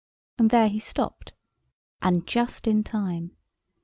And there he stopped, and just in time.